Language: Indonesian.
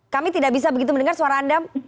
kami tidak bisa begitu mendengar suara anda